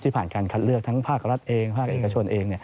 ผ่านการคัดเลือกทั้งภาครัฐเองภาคเอกชนเอง